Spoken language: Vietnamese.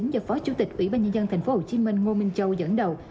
do phó chủ tịch ủy ban nhân dân tp hcm ngô minh châu dẫn đầu